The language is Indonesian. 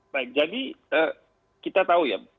baik jadi kita tahu ya